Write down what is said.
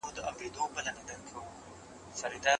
متعصب انسان حقيقت نه سي ليدلی.